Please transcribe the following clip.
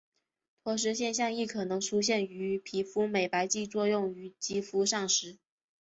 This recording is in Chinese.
脱失现象亦可能出现于皮肤美白剂作用于肌肤上时。